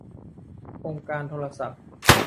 องค์การโทรศัพท์